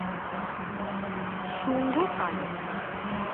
শুঙ্গ কালো।